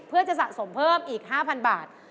เพื่อจะสะสมเพิ่มอีก๕๐๐บาท